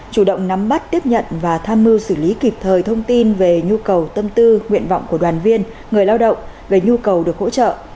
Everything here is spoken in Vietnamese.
chủ động nắm bắt tiếp nhận và tham mưu xử lý kịp thời thông tin về nhu cầu tâm tư nguyện vọng của đoàn viên người lao động về nhu cầu được hỗ trợ